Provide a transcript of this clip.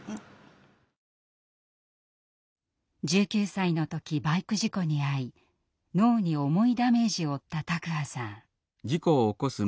１９歳の時バイク事故に遭い脳に重いダメージを負った卓巴さん。